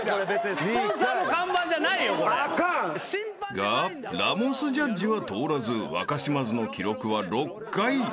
［がラモスジャッジは通らず若島津の記録は６回］